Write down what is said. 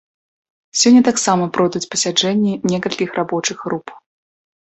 Сёння таксама пройдуць пасяджэнні некалькіх рабочых груп.